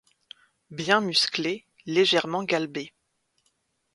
Bien musclé, légèrement galbé.